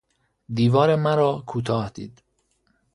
دیوار مراکوتاه دید